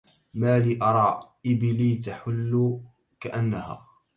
مالي أرى إبلي تحل كأنها